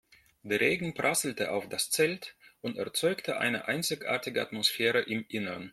Der Regen prasselte auf das Zelt und erzeugte eine einzigartige Atmosphäre im Innern.